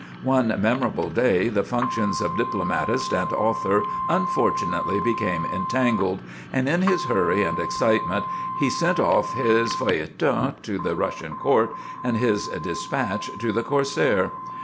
One memorable day the functions of diplomatist and author unfortunately became entangled, and in his hurry and excitement he sent off his feuilleton to the Russian Court and his dispatch to the "Corsaire."